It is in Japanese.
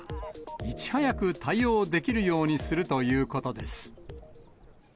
いち早く対応できるようにするということです。